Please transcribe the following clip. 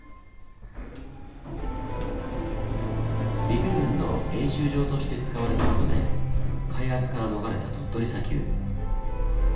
陸軍の演習場として使われた事で開発から逃れた鳥取砂丘。